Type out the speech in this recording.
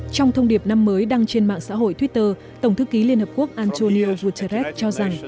trong thông điệp năm mới đăng trên mạng xã hội twitter tổng thư ký liên hợp quốc antonio guterres cho rằng